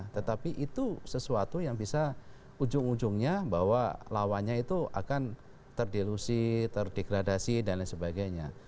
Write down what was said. tetapi itu sesuatu yang bisa ujung ujungnya bahwa lawannya itu akan terdelusi terdegradasi dan lain sebagainya